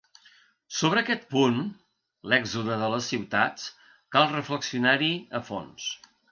Sobre aquest punt, l’èxode de les ciutats, cal reflexionar-hi a fons.